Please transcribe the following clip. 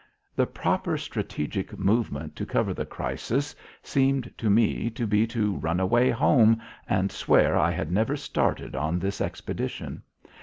The proper strategic movement to cover the crisis seemed to me to be to run away home and swear I had never started on this expedition.